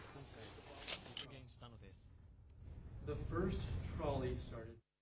今回、実現したのです。